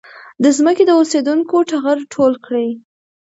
د ځمکې د اوسېدونکو ټغر ټول کړي.